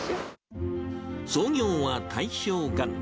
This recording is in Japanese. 創業は大正元年。